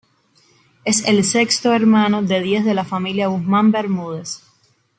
Es el sexto hermano de diez de la familia Guzmán Bermúdez.